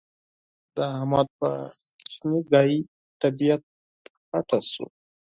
د احمد په کوشنۍ خبره طبيعت خټه شو.